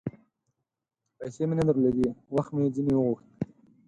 پیسې مې نه درلودې ، وخت مې ځیني وغوښت